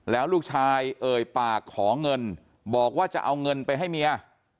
แล้วลูกชายเอ่ยปากขอเงินบอกว่าจะเอาเงินไปให้เมีย